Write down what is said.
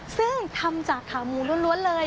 ซึ่งทำจากขาหมูล้วนเลย